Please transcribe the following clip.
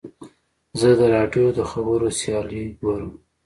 زه د راډیو د خبرو سیالۍ ګورم.